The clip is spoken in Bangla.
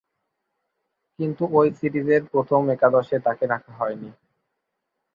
কিন্তু ঐ সিরিজের প্রথম একাদশে তাকে রাখা হয়নি।